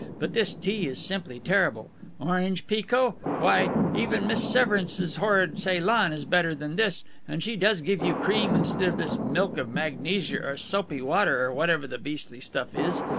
But this tea is simply terrible. Orange pekoe! Why, even Miss Severance's horrid Ceylon is better than this, and she does give you cream, instead of this milk of magnesia or soapy water or whatever the beastly stuff is.